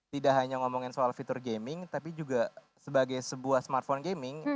tidak hanya ngomongin soal fitur gaming tapi juga sebagai sebuah smartphone gaming